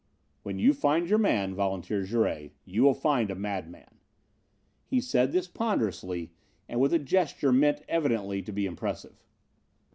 "When you find your man," volunteered Jouret, "you will find a madman." He said this ponderously and with a gesture meant evidently to be impressive.